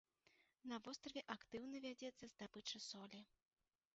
На востраве актыўна вядзецца здабыча солі.